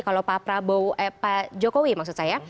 kalau pak prabowo pak jokowi maksud saya